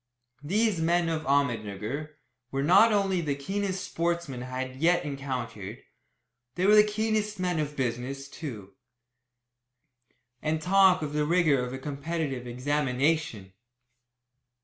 These men of Ahmednugger were not only the keenest sportsmen I had encountered, they were the keenest men of business, too. And talk of the rigour of a competitive examination!